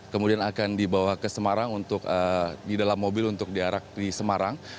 kemudian akan dibawa ke semarang untuk di dalam mobil untuk diarak di semarang